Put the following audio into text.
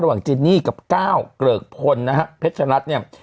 จินนี่กับก้าวเกริกพลนะฮะเพชรรัฐเนี่ย